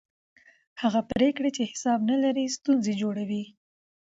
هغه پرېکړې چې حساب نه لري ستونزې جوړوي